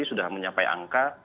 sudah mencapai angka